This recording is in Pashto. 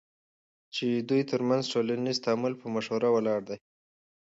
چی ددوی ترمنځ ټولنیز تعامل په مشوره ولاړ دی،